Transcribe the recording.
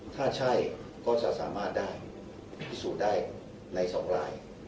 ถ้าใช่ก็จะสามารถได้ผสูได้ในสองลาย